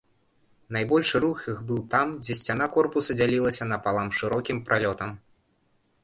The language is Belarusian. Найбольшы рух іх быў там, дзе сцяна корпуса дзялілася напалам шырокім пралётам.